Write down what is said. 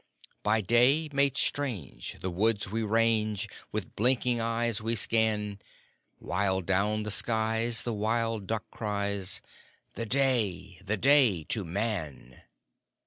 By day made strange, the woods we range With blinking eyes we scan; While down the skies the wild duck cries: "_The Day the Day to Man!